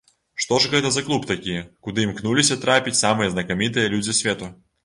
Што ж гэта за клуб такі, куды імкнуліся трапіць самыя знакамітыя людзі свету?